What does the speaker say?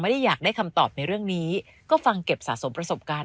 อยากได้คำตอบในเรื่องนี้ก็ฟังเก็บสะสมประสบการณ์